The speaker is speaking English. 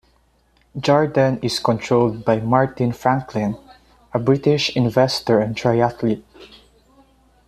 Jarden is controlled by Martin Franklin, a British investor and triathlete.